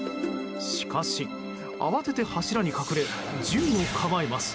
しかし、慌てて柱に隠れ銃を構えます。